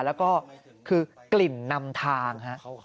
แล้วก็คือกลิ่นนำทางฮะ